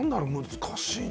難しいな。